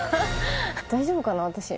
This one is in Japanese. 大丈夫かな、私。